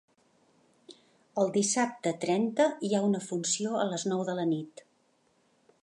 El dissabte, trenta, hi ha una funció a les nou de la nit.